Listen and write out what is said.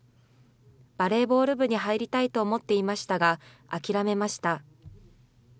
バレーボール部に入りたいと思っていましたが、諦めました。